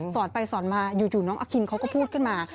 สอนไปสอนมาอยู่น้องอคินเขาก็พูดขึ้นมา